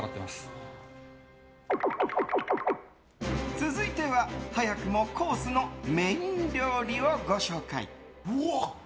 続いては、早くもコースのメイン料理をご紹介。